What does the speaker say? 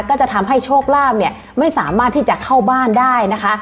ก็จะทำให้โชคลาภเนี่ยไม่สามารถที่จะเข้าบ้านได้นะคะ